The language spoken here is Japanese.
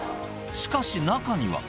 しかし、中には。